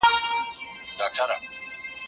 اسلام د علم ملاتړ کړی دی.